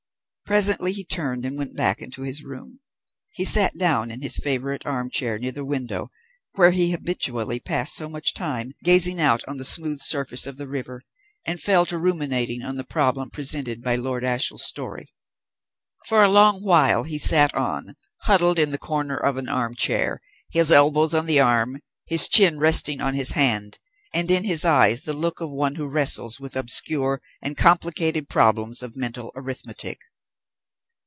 Presently he turned and went back into his room. He sat down in his favourite arm chair near the window, where he habitually passed so much time gazing out on to the smooth surface of the river, and fell to ruminating on the problem presented by Lord Ashiel's story. For a long while he sat on, huddled in the corner of an arm chair, his elbows on the arm, his chin resting on his hand, and in his eyes the look of one who wrestles with obscure and complicated problems of mental arithmetic.